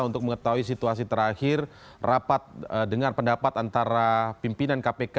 untuk mengetahui situasi terakhir rapat dengan pendapat antara pimpinan kpk